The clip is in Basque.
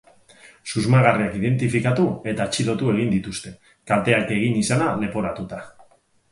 Susmagarriak identifikatu eta atxilotu egin dituzte, kalteak egin izana leporatuta.